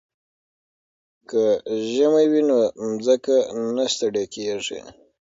که ژمی وي نو ځمکه نه ستړې کیږي.